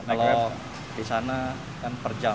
kalau di sana kan per jam